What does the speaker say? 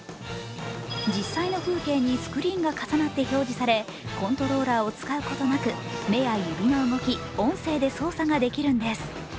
実際の風景にスクリーンが重なって表示されコントローラーを使うことなく目や指の動き音声で操作ができるんです。